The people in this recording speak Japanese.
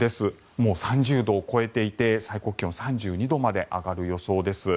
もう３０度を超えていて最高気温３２度まで上がる予想です。